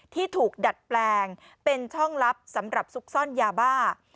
ที่ถูกดัดแปลงเป็นช่องลับสำหรับซุกซ่อนยาบ้า